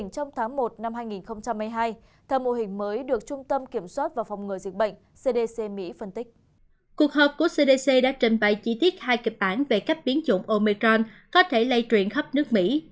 cuộc hợp của cdc đã trình bày chi tiết hai kịp bản về các biến chủng omicron có thể lây truyện khắp nước mỹ